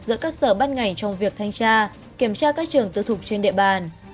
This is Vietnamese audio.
giữa các sở bắt ngành trong việc thanh tra kiểm tra các trường tự thục trên địa bàn